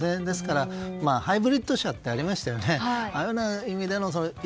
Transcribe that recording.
ですからハイブリッド車ってありましたよね。